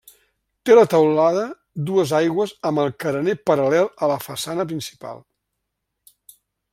Té la teulada dues aigües amb el carener paral·lel a la façana principal.